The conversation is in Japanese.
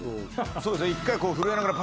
そうですね１回。